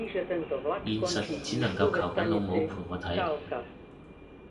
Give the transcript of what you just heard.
現實只能夠求緊老母陪我睇